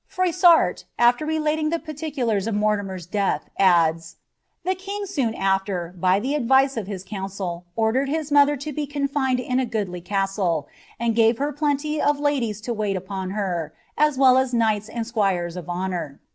y afler relating the particulars of Mortimer's death, adds, 'won after, by the advice of his rouncil, ordered his mother bed in a goodly castle, and gave her plenty of ladies to wail la well as knighta and squires of honour.